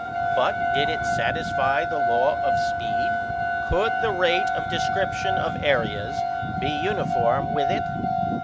But did it satisfy the law of speed? Could the rate of description of areas be uniform with it?